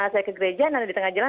saya ke gereja nanti di tengah jalan